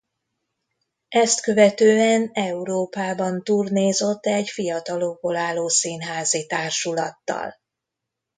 Ezt követően Európában turnézott egy fiatalokból álló színházi társulattal.